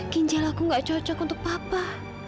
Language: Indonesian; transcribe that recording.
ginjal aku gak cocok untuk papa